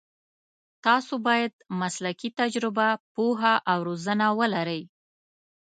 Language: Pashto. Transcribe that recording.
تاسو باید مسلکي تجربه، پوهه او روزنه ولرئ.